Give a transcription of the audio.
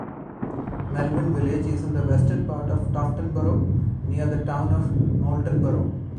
Melvin Village is in the western part of Tuftonboro, near the town of Moultonborough.